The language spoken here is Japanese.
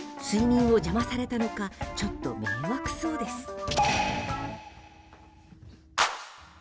睡眠を邪魔されたのかちょっと迷惑そうです。